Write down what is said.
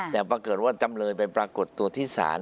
แต่ปรากฏว่าจำเลยไปปรากฏตัวที่ศาล